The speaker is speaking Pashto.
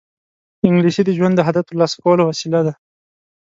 انګلیسي د ژوند د هدف ترلاسه کولو وسیله ده